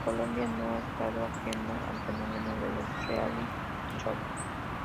Colombia no ha estado ajena al fenómeno de los "reality shows".